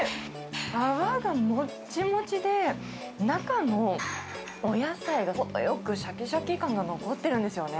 皮がもっちもちで、中のお野菜が程よくしゃきしゃき感が残ってるんですよね。